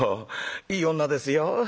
いい女ですよ。